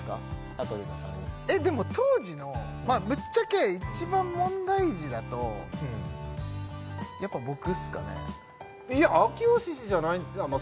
佐藤隆太さんにえっでも当時のまあぶっちゃけ一番問題児だとうんやっぱ僕っすかねいや明慶じゃないまあ